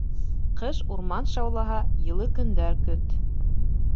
Ҡыш урман шаулаһа, йылы көндәр көт.